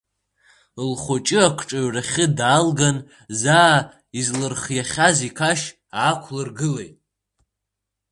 Лхәыҷы акҿаҩрахьы даалган, заа излырхиахьаз иқашь аақәлыргылеит.